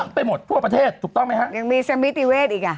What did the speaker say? ไปหมดทั่วประเทศถูกต้องไหมฮะยังมีสมิติเวทอีกอ่ะ